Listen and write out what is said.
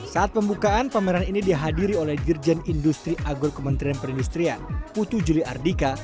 saat pembukaan pameran ini dihadiri oleh dirjen industri agul kementerian perindustrian putu juli ardika